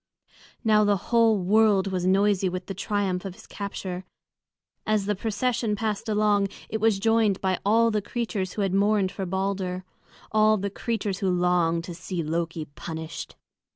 Now the whole world was noisy with the triumph of his capture. As the procession passed along it was joined by all the creatures who had mourned for Balder, all the creatures who longed to see Loki punished.